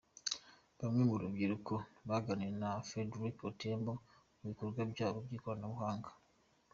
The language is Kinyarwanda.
Bamwe mu rubyiruko baganiriye na Frederick Odhiambo ku bikorwa byabo by’ikoranabuhanga.